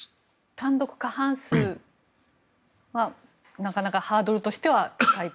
単独過半数はなかなかハードルとしては高いと？